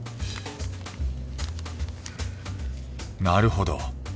なるほど。